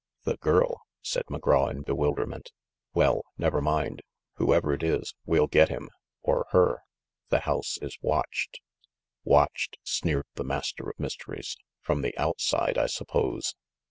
"The girl!" said McGraw in bewilderment. "Well, never mind. Whoever it is, we'll get him — or her. The house is watched." "Watched!" sneered the Master of Mysteries. "From the outside, I suppose